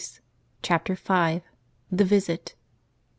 E CHAPTER V. THE VISIT.